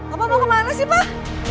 bapak mau kemana sih pak